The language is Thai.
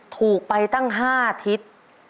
ถูกไปตั้ง๕ทิศ